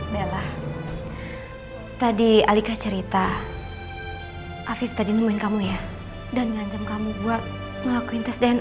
bella tadi alika cerita afif tadi ngobain kamu ya daniety kamu gua ngelakuin tes dna